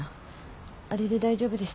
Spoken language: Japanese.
あれで大丈夫でしたか？